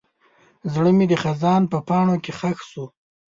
زړه مې د خزان په پاڼو کې ښخ شو.